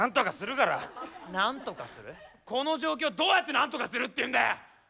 この状況どうやってなんとかするっていうんだよ！